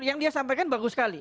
yang dia sampaikan bagus sekali